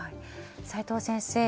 齋藤先生